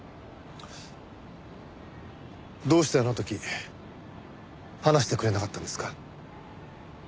どうしてあの時話してくれなかったんですか？